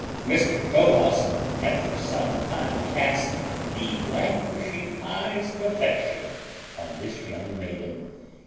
Mr Tow wouse had for some time cast the languishing eyes of affection on this young maiden.